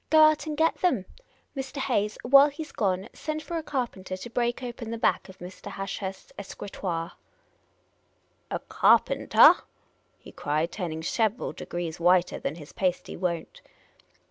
" Go out and get them ! Mr. Hayes, while he 's gone, send for a carpenter to break open the back of Mr. Ashurst's escritoire." " A carpentah ?" he cried, turning several degrees whiter than his pasty won't.